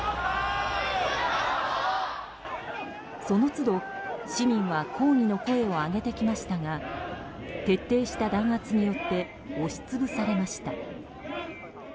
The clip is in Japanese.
その都度、市民は抗議の声を上げてきましたが徹底した弾圧によって押し潰されました。